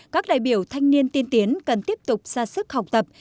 các đại biểu thanh niên tiên tiến cần tiếp tục ra sức học tập